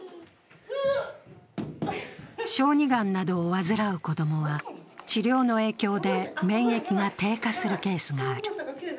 小児がんなどを患う子供は治療の影響で免疫が低下するケースがある。